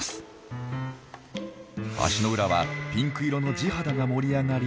足の裏はピンク色の地肌が盛り上がり